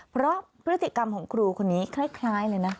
เพราะพฤติกรรมของครูคนนี้คล้ายเลยนะ